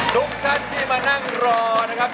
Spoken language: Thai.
ทุกท่านที่มานั่งรอนะครับ